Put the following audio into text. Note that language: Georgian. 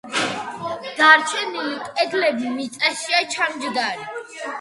დანარჩენი კედლები მიწაშია ჩამჯდარი.